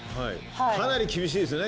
かなり厳しいですね